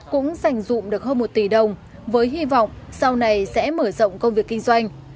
cũng dành dụng được hơn một tỷ đồng với hy vọng sau này sẽ mở rộng công việc kinh doanh